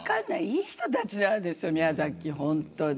いい人たちなんです宮崎、本当に。